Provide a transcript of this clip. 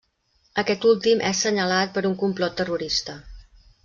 Aquest últim és senyalat per un complot terrorista.